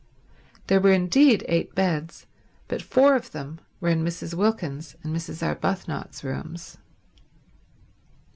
There were indeed eight beds, but four of them were in Mrs. Wilkins's and Mrs. Arbuthnot's rooms.